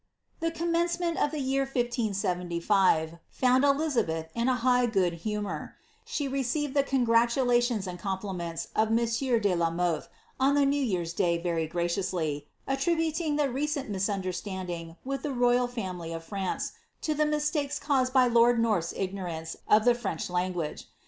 ' The commencement of the year 1575 found Elizabeth in ht^ ( humour; siie received the congraiu la lions and compliments of mooi de la Molhe on the new year's day very graciously. aUribaling ihl cent misunders landing with llie royal family of France to ihe mi« caused by lord North's ignorance of the Franch language.